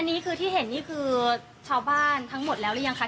อันนี้คือที่เห็นนี่คือชาวบ้านทั้งหมดแล้วหรือยังคะ